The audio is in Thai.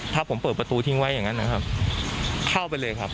ถ้าผมเปิดประตูทิ้งไว้อย่างนั้นนะครับเข้าไปเลยครับ